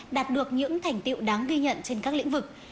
đạt được những thành tiệu đáng ghi nhận trên các lĩnh vực